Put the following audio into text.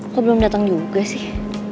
kok belum datang juga sih